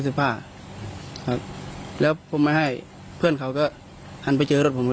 เสื้อผ้าครับแล้วผมมาให้เพื่อนเขาก็หันไปเจอรถผมพอ